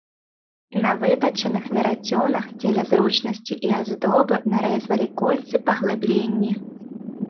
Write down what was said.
На вытачаных верацёнах дзеля зручнасці і аздобы нарэзвалі кольцы-паглыбленні.